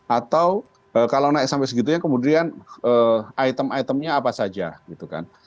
atau kalau naik sampai segitunya kemudian item itemnya apa saja gitu kan